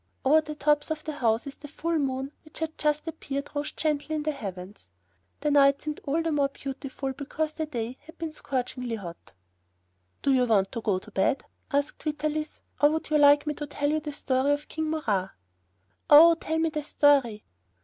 Over the tops of the houses the full moon, which had just appeared, rose gently in the heavens. The night seemed all the more beautiful because the day had been scorchingly hot. "Do you want to go to bed?" asked Vitalis, "or would you like me to tell you the story of King Murat?" "Oh, tell me the story!"